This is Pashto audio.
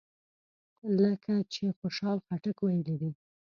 لکه چې خوشحال خټک ویلي دي.